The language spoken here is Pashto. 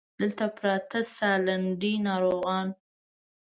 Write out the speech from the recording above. دلته پراته د سالنډۍ ناروغان